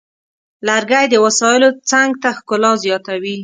لرګی د وسایلو څنګ ته ښکلا زیاتوي.